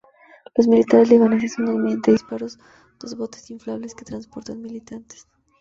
Los militares libaneses hunden mediante disparos dos botes inflables que transportaban militantes.